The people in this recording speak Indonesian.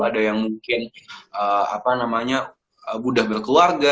ada yang mungkin apa namanya mudah berkeluarga